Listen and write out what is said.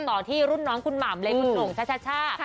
ต่อที่รุ่นน้องคุณหม่ำเลยคุณหน่งช่า